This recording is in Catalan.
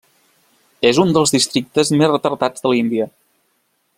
És un dels districtes més retardats de l'Índia.